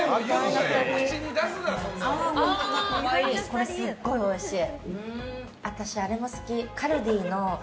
これ、すごいおいしい。